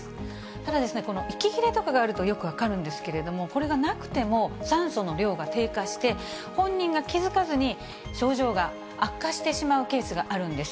ただ、この息切れとかがあるとよく分かるんですけれども、これがなくても、酸素の量が低下して、本人が気付かずに症状が悪化してしまうケースがあるんです。